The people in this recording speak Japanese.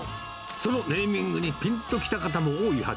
そのネーミングにぴんときた方も多いはず。